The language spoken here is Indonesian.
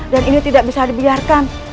dan ini tidak bisa dibiarkan